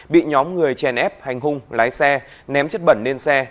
bị nhóm người chèn ép hành hung lái xe ném chất bẩn lên xe